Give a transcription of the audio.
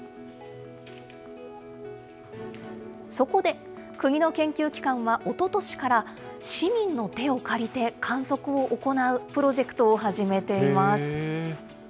そこで、国の研究機関はおととしから市民の手を借りて、観測を行うプロジェクトを始めています。